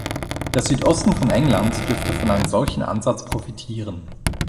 Der Südosten von England dürfte von einem solchen Ansatz profitieren.